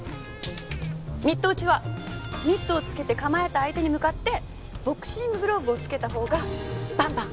ミット打ちはミットを着けて構えた相手に向かってボクシンググローブを着けたほうがバンバン打つ練習。